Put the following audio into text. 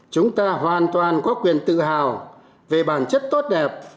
chúng ta hoàn toàn có quyền tự hào về bản chất tốt đẹp